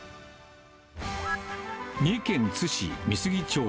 三重県津市美杉町。